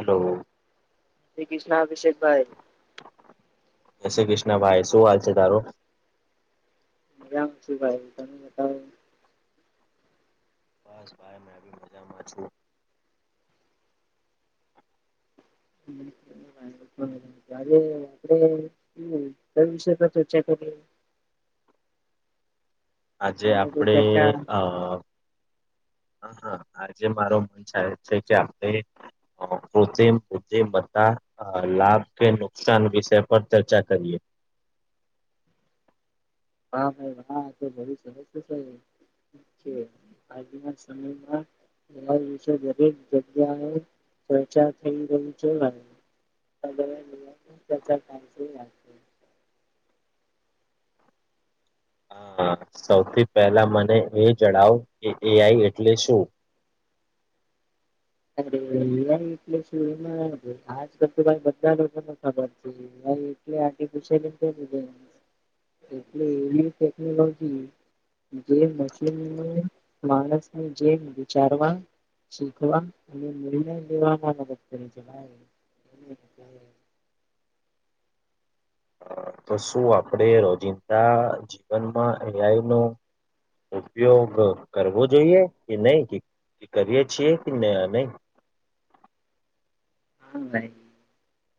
Hello Shri Krishna, Abhishek ભાઈ જય શ્રી કૃષ્ણ, ભાઈ! શું હાલ છે તારો? મજા છું, ભાઈ. તમે બતાવો. બસ ભાઈ મેં ભી મજામાં છું. હમ. આપે વિષય તો ચર્ચા કરીએ. આજે તમને કોઈ આપડે ચર્ચા અ [inaudible] હા, હા. આજે મારો મન થાય છે કે આપણે કૃત્રિમ, કૃત્રિમ, બતા અ લાભ કે નુકસાન વિષય પર ચર્ચા કરીએ. હા, ભાઈ વા તો બુ સર છે ભ છે આજના સમયમાં? બ દરેક જગ્યાએ પ્રચાર થઈ ગયો છે. પ્રચાર છે. હ સૌથી પહેલા મને એ જણાવ, કે એ. આઈ. એટલે શું? અરે, એ. આઈ. એટલે શું, એમાં આજકાલ તો કઈ બધા લોકોને ખબર છે. એટલે આગળ-પાછળ. એટલે એવી ટેકનોલોજી. જે મુસ્લિમને માણસની જેમ વિચારવા. શીખવા અને નિર્ણય લેવાવામાં મદદ કરી જાય. તો શું આપણે રોજિંદા જીવનમાં એ. આઈ. નો? ઉપયોગ કરવો જોઈએ કે નહીં? કરીએે છીએ કે નહીં? હ નહી.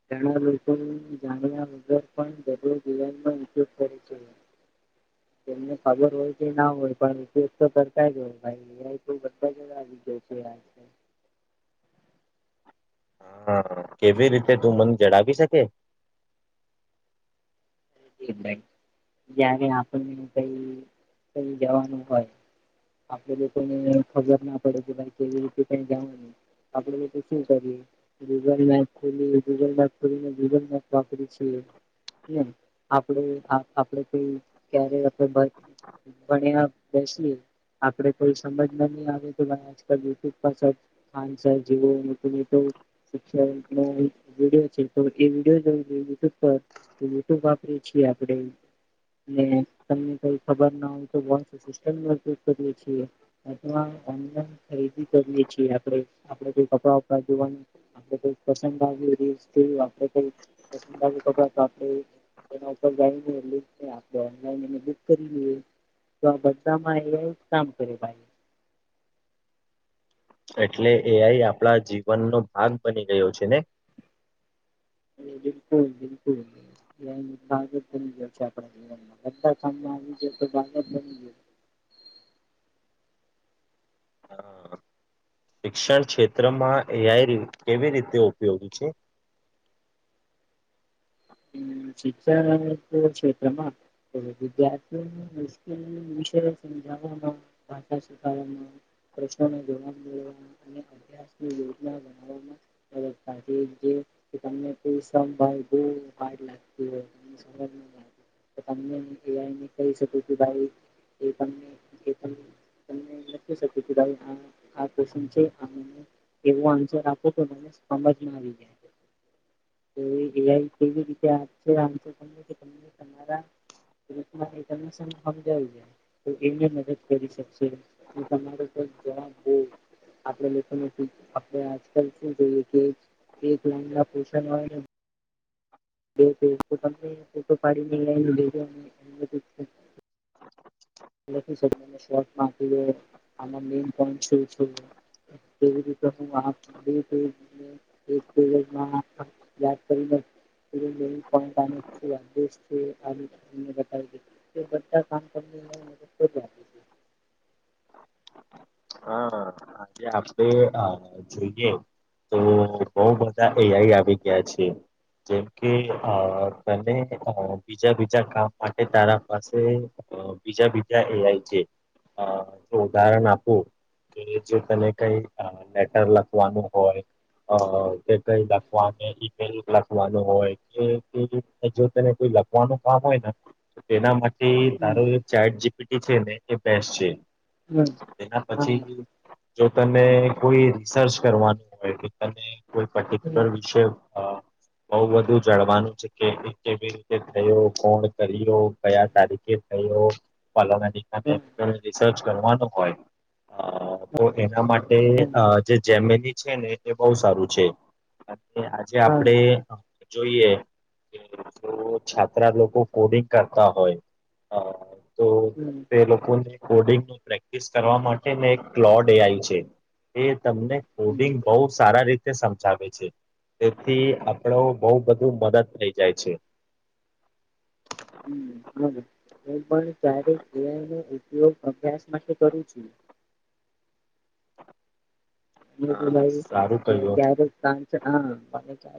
ઘણા લોકોની જાણ્યા વગર પણ, ગગલે જીવનમાં ઈચ્છુક કરે છે. એમને ખબર હોય કે ના હોય, પણ વિશેષ તો સરતા જ હોય, ભાઈ. અં તો બધા જ આવી જાય છે. હા, કેવી રીતે? તું મન જડાવી શકે? ભાઈ, જયારે આપણને કંઈક જવાનું હોય. આપણે લોકોને ખબર ના પડે, કે ભાઈ, કેતે કંઈ જવા નહીં. આપણે મે પ શચ્યું [unintelligible] ગૂગલ મેપ ખોલી, ગૂગલ મેપ ખોલીને ગૂગલ મેપ વાકરી છે. આપણે આપડે કોઈ ક્યારે આપણે ભણ્યા બેસીએ. આપડે કોઈ સમજ નહીં આવે, તો મને આજકાલ યુટ્યુબ પર સર્ચ ખાનસ જીવો ત તો. શિક્ષણ વિડીયો છે, તો એ વિડીયો જો જો યુટ્યુબ પર યુટ્યુબ તમને કંઈ ખબર ના હોય તો, બ સિ કરીએ છીએ. [unintelligible] અમાં ઓનલાઈન ખરીદી કરીએ છીએ. આપડે આપડે કોઈ કપડા-વપડા જોવાનું. ઈ પસંદ આવી રે, આપડે કંઈક પસંદ આવે, કપડા તો આપણે ને આપ ઓનલાઈ એ બુક કરી લઈએ. તો બામાં એ એક કામ કર્યું, ભાઈ. એટલે એ. આ. ઈ આપણા જીવનનો ભાગ બની ગયો છે ને. એ બિલકુલ, બિલકુલ. ભાગ જ બની ગયો છે આપણા જીવનમાં. બધા કામમાં આવી જ તો ભાગ જ બની ગયો. હા. શિક્ષણ ક્ષેત્રમાં એ. આ. ઈ કેવી રીતે ઉપયોગી છે? શિક્ષણ ક્ષેત્રમાં. વિદ્યાર્થીઓને મુશ્કેલ વિષય સમજાવનો, ભાષા શખાવવાનો. પ્રશ્નોને જવાબ મે અને અભ્યાસની યોજના બનાવવામાં [inaudible] [unintelligible] કે તમને એ આઈને કહી શકું કે ભાઈ એ તમને એ પન તમને લખી શકે કે ભાઈ આ આ કવેશ્ચન છે, [unintelligible] એવું આન્સર આપો કે મને સમજમાં આવી જાય. તો એ એ આઈ એવી રીતે આન્સર આપશે કે તમને તમારા [unintelligible] હમજાય જાય. તો એને મદદ કરી શકશે કે તમારો પણ જવાબ બોવ આપણે મેથેમેટિક્સ આપણે આજકાલ શું જોઈએ કે એક લાઈન ના ક્વેશન હોયને [unintelligible] તો તમને ફોટો પાડીને એ આઈ ને ભેજો ને [unintelligible] [unintelligible] શોર્ટમાં આપી દે, આમાં પોઈન્ટ શું છે! કે કેવી રીતે હું આ બે પેઈજ ને એક પેઈજમાં [unintelligible] યાદ કરીને [inaudible] તે બધા કામ કર [unintelligible] હા, હા. આજે આપણે અહ જોઈએ તો બહુ બધા એ આઈ આવી ગયા છે. જેમ કે અહ તમે અહ બીજા-બીજા કામ માટે તારા પાસે અહ બીજા-બીજા એ આઈ છે અહ જો ઉદાહરણ આપું કે જો તને કંઈ અહ લેટર લખવાનું હોય અહ તે કંઈ [unintelligible] લખવાનું હોય કે [unintelligible] જો તને કોઈ લખવાનું કામ હોય ને તો તેના માટે હમ તારો ચેટ જી પી ટી છે ને એ બેસ્ટ છે. હમ્મ. તેના પછી જો તને કોઈ રિસર્ચ કરવાનું હોય તો તને કે કોઈ પર્ટિક્યુલર હમ વિષય અહ બહુ બધું જણવાનું છે કે એને કેવી રીતે થયો, કોણ કર્યો કયા તારીખે થયો, હમ [unintelligible] રિસર્ચ કરવાનું હોય અહ તો એના માટે અહ હમ જે જેમેની છે ને એ બહુ સારું છે. કારણ કે આજે હા આપડે જોઈએ [unintelligible] જો છાત્રા લોકો કોડિંગ કરતા હોય અહ તો હમ તે લોકોને કોડિંગ નું પ્રેક્ટિસ કરવા માટે એક ક્લોડ એ આઈ છે એ તમને હમ કોડિંગ બહુ સારા રીતે સમજાવે છે. તેથી આપણો બઉ બધું મદદ થઈ જાય છે. હમ હવે હું પણ ક્યારેક એ આઈ નો ઉપયોગ અભ્યાસ માટે કરું છું. મને તો હા લાગે સારું કહ્યું ક્યારેક કામ છે, હા [unintelligible] [unintelligible] આવતો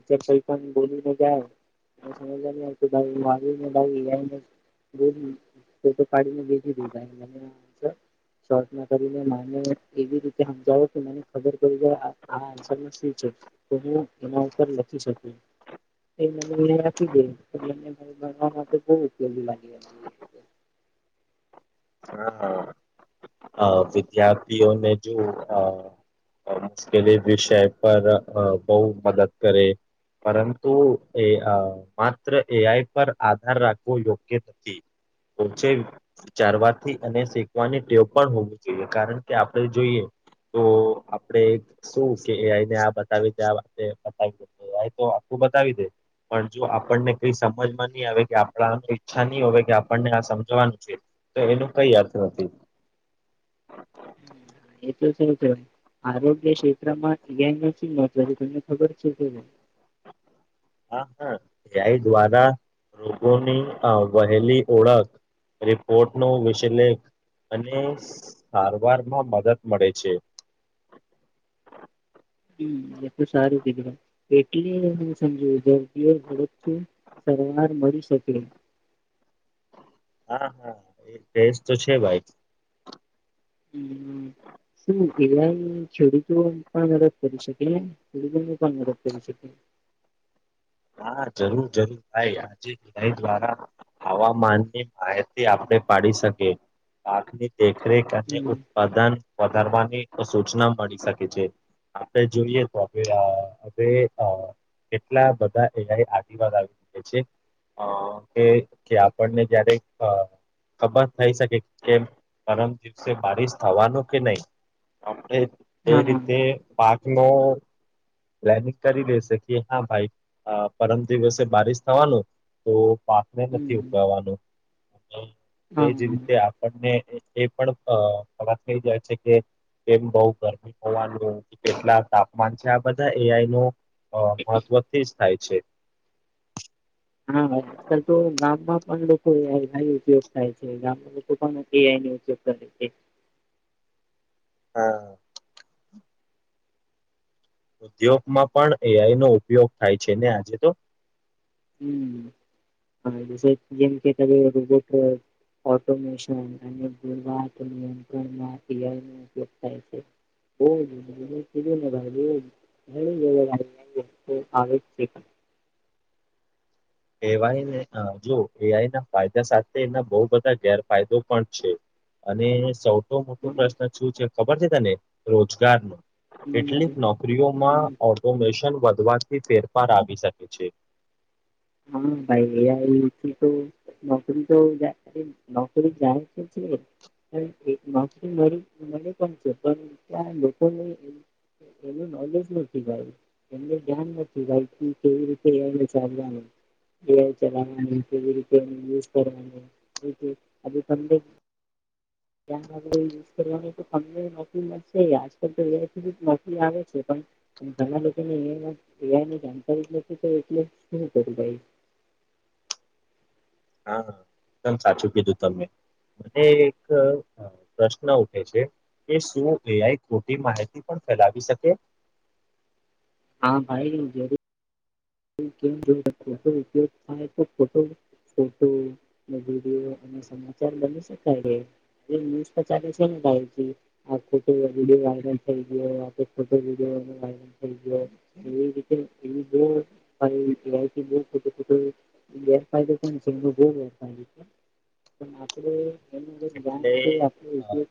ટીચર કંઈ પણ બોલીને જાય ને સમજ માં નહીં આવતું [unintelligible] એ આઈ ને બોલી તો-તો [unintelligible] શોર્ટમાં કરીને મને એવી રીતે હમજાવો કે મને ખબર પડી જાય આ-આ આન્સરના શું છે? તો હું એમાં ઉપર લખી શકું. એ મને એ આપી દે એટલે [unintelligible] ભણવા માટે બહું ઉપયોગી લાગી લાગે. હા, અહ વિદ્યાર્થીઓને જો અહ અહ મુશ્કેલી વિષય પર અહ બહુ મદદ કરે. પરંતુ એ અહ માત્ર એ આઈ પર આધાર રાખવો યોગ્ય નથી. [unintelligible] ચારવાથી અને શીખવાની ટેવ પણ હોવી જોઈએ, કારણ કે આપણે જોઈએ તો આપડે શું કે આ આઈ ને આ બતાવી [unintelligible] લાય તો આખું બતાવી દે. પણ જો આપણને કઈ સમજમાં નહી આવે કે આપણા આ ઈચ્છા નહી હો કે આપણને આ સમજવાનું છે. તો એનું કઈ અથૅ નથી. એ તો છે જ વાય આરોગ્ય ક્ષેત્રમાં એઆ નથી મહત્વ તમને ખબર છે કે ભ હા હા ધ્યાય દ્વારા રોગોની અ વહેલી ઓળખ. રિપોર્ટ નો વિષલેખ અને સારવારમાં મદદ મળે છે. હમ એટલ સારું કીધું તમે એટલે હું સમજ દર્દીઓ ઝડપથી સરવાર મળી શકે. હા હા એ ટેસ્ટ તો છે ભાઈ. હ હ શું એેઆઇ ખેડૂતો પણ મદદ કરી શકે ને. થોડી ગળી પણ મદદ કરી શકે. હા જરૂર જરૂર ભાઈ આજેાઈ દ્વારા. હવામાનની માહિતી આપણે પાડી શકીએ પાકની દેખરેખ અને હમ અદન વધારવાની સૂચના મળી શકે છે. આપે જોઈએ તો આપે રા હવે અ કેટલા બધા. બ એઆઇ આવીકે છે અ કે આપણને જયારે અ ખબર થઈ શકે કે પરમ દિવસે બારિશ થવાનું કે નહી. આપણે એ હા રીતે પાક નો. પ્લેનિંગ કરી દેશે કે હા ભાઈ અ પરમ દિવસે બારિશ થવાનું તો મે નથી હમ ઉગાવાનું તો હા એજ રીતે હા આપ. આપને એ પણ અ વાત થઈ જાય છે, કે. એમ બઉ ગરમી હોવાનું કેટલા તાપમાન છે. બધા એઆઈ નો અ મહત્વથી જ થાય છે. [unintelligible] આજકલ તો ગામમાં પણ લોકો એઆઇ ઉપયોગ થાય છે, ગામમાં લોકો પણ એઆઇ ઉપયોગ કરે. એક. હા. ઉદ્યોગ માં પણ એઆઈ નો ઉપયોગ થાય છે, ને આજે તો. [unintelligible] [unintelligible] [unintelligible] [inaudible] હ આવે જ છે પણ [inaudible] એવાઈ ને અ જો એઆઈ ના ફાયદા સાથે એના બહુ બધા ગેરફાયદો પણ છે. અને સૌ તો મોટો હમ, પ્રશ્ન શું છે ખબર છે તને રોજગાર નો. કેટલીક હમ, નોકરીઓમાં ઓટોમેશન વધવાથી ફેરફાર આવી શકે છે. હા ભાઈ એઆઇ થી તો. નોકરી તો જ નોકરી જાય છે. નકરી મળ મળી પણ છે પણ ત્યાં લોકોને [inaudible] એનું નોલેજ નથી ભાઈ. એમને ધ્યાન નથી ભાઈ કઈ કેવી રીતે એને ચાલવાનું. એઆઇ ચલાવવાની કેવી રીતે યુઝ કરવાની તને [inaudible] [unintelligible] મ નોકરી મળશે આજકાલ તોધ જ નોકરી આવે છે, પણ [inaudible] ઘણા લોકોનેની એઆઇ ની જાણકારી જ નથી એટલે શું કરૃઈ હા એકદમ સાચું કીધું તમે મને એક. પ્રશ્ન ઉઠે છે કે શું એઆઈ ખોટી માહિતી પણ ફેલાવી શકે. હા ભાઈ જરૂર. [unintelligible] ફોટો વિડીયો અને સમાચાર બની શકાય છે એ ન્યુઝ તો ચાલે છે ને ભાઈથી. આ ખોટો વિડયો વાયરલ થઈ ગયો આ ખોટો વિડયો વાયરલ થઈ ગયો કઈ રીતે ઈ જે [unintelligible] ગેરફાયદે છે તો રાત્રે એટલે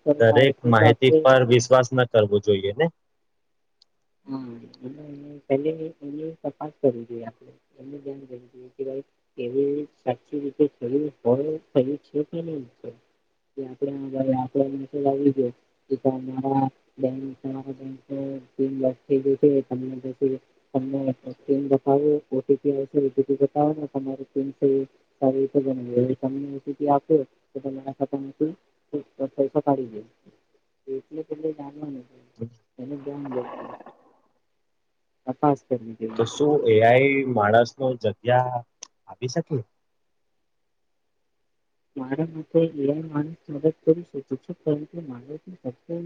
કરવા દરેક આવશે તો માહિતી આપણે પર વિશ્વાસ ન કરવો જોઈએ ને હા એ એ પે એની તપાસ કરવી જોઈએ આપણે એ ધ્યાન એવી સાચી રીતે શરીર હોરીર છે કે ન [inaudible] તે આપડે [unintelligible] થ ગ ત [inaudible] તમને બતાી આવશે બતાો તમા [inaudible] સારી [unintelligible] ફ પાડી છે એટ જાણવાનું એને જાન લેવા તપાસ કરવી તો જોયે શું એઆઈ માણસ નો જગ્યા આપી શકે મારા મ એ માસ મદદ કરી શ શિક્ષ મા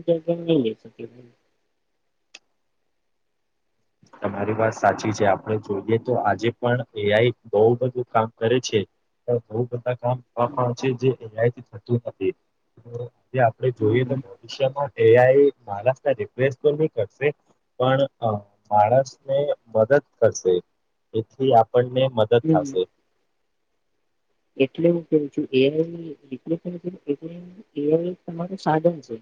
જ નહી લઈ શકે તમારી વાત સાચી છે આપણે જોઈએ તો આજે પણ એઆઈ બહુ બધું કામ કરે છે પણ બોઓ હમ બધા જે થતું નથી આપે જોઈએ તો માંઆ એ આઈ માણસ ને રિપ્લેસ તો નઈ કરશે પણ અ માણસને મદદ કરશે એથી આપણને મદદ હમ થશે એટલે હું કેું છું એઆઈ ને રિપ્લેસ તરીકે એટલે એ આઈ તમારું સાધન છે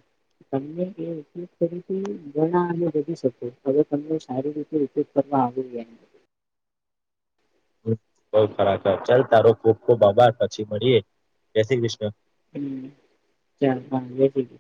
તમને એ ઉપયોગ તરીકે ગણા કરીશ શકો હવે તમને સારી રીતે ઉપયોગ તમા આવી ગયા બઉ ખરાબ ચાલ તારો ખૂબ ખૂબ આભાર પછી મળીએે જય શ્રી કૃષ્ણ હમ ચાલ હા જે શ્રી કૃષ્ણ